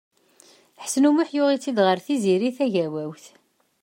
Ḥsen U Muḥ yuɣ-itt-id ɣer Tiziri Tagawawt.